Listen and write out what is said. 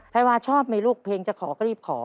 วาชอบไหมลูกเพลงจะขอก็รีบขอ